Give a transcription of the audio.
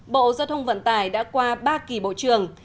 bộ giao thông vận tải đã qua ba kỳ bộ trường